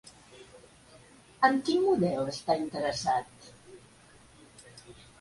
En quin model està interessat?